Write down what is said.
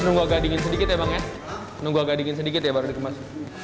nunggu agak dingin sedikit ya baru dikemas